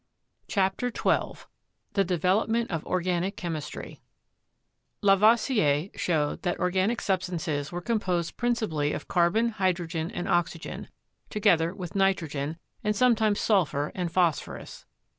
CHAPTER XII THE DEVELOPMENT OF ORGANIC CHEMISTRY Lavoisier showed that organic substances were com posed principally of carbon, hydrogen, and oxygen, to gether with nitrogen, and sometimes sulphur and phos phorus.